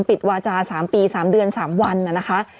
ปิดวาจา๓ปี๓เดือน๓วันนะคะ